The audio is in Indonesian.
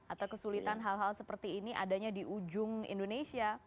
atau kesulitan hal hal seperti ini adanya di ujung indonesia